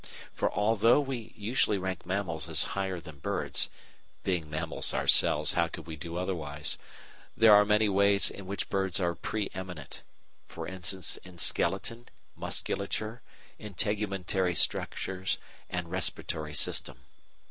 For although we usually rank mammals as higher than birds (being mammals ourselves, how could we do otherwise?), there are many ways in which birds are pre eminent, e.g. in skeleton, musculature, integumentary structures, and respiratory system.